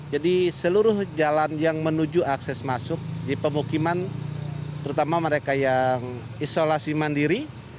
jadi seluruh jalan yang menuju akses masuk di pemukiman terutama mereka yang isolasi mandiri